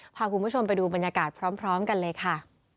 พาคุณผู้ชมไปดูบรรยากาศพร้อมกันเลยค่ะ